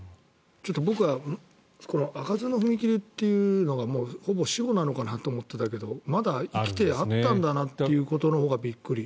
ちょっと僕はこの開かずの踏切っていうのがもうほぼ死語なのかなと思っていたけどまだ生きてあったんだなということのほうがびっくり。